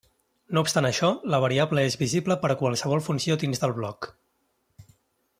No obstant això, la variable és visible per a qualsevol funció dins del bloc.